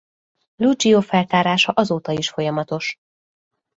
Lugio feltárása azóta is folyamatos.